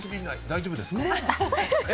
大丈夫ですか？